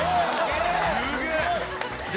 すげえ！